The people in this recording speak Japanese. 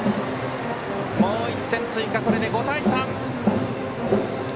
もう１点追加、これで５対３！